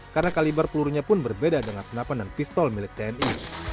karena kaliber pelurunya pun berbeda dengan senapan dan pistol milik tni